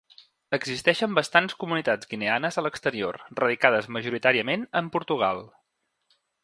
Existeixen bastants comunitats guineanes a l'exterior, radicades majoritàriament en Portugal.